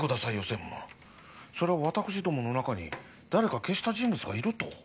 専務それは私どもの中に誰か消した人物がいると？